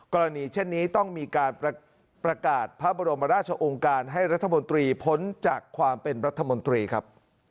กรณีเช่นนี้ต้องมีการประกาศพระบรมราชองค์การให้รัฐมนตรีพ้นจากความเป็นรัฐมนตรีครับ